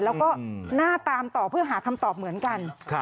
แล้วก็น่าตามต่อเพื่อหาคำตอบเหมือนกัน